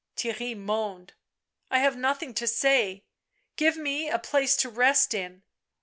Theirry moaned. " I have nothing to say — give me a place to rest in."